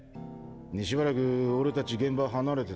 しばらく俺たち現場離れてたろ。